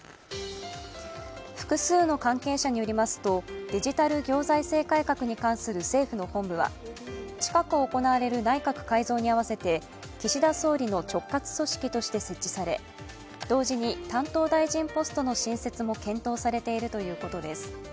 複数の関係者によりますと、デジタル行財政改革に関する政府の本部は、近く行われる内閣改造に合わせて岸田総理の直轄組織として設置され同時に担当大臣ポストの新設も検討されているということです。